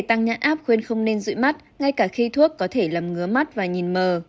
áp khuyên không nên rụi mắt ngay cả khi thuốc có thể làm ngứa mắt và nhìn mờ